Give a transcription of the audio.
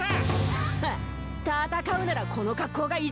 フッ戦うならこの格好が一番でい！